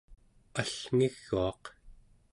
allngiguaq